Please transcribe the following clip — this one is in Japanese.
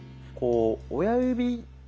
こう親指